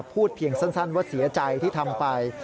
พูดเพียงสั้นว่าเสียใจที่ทำไป